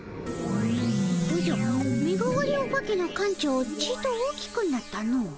お化けの館長ちっと大きくなったの。